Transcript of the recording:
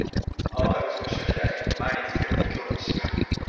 粟田口の秘書時代毎日つけてた業務日誌だ。